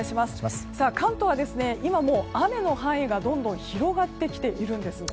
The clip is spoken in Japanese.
関東は今もう雨の範囲がどんどん広がってきているんです。